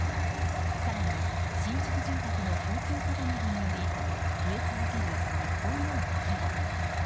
更に、新築住宅の供給過多などにより増え続ける日本の空き家。